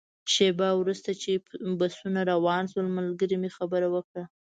شېبه وروسته چې بسونه روان شول، ملګري مې خبره وکړه.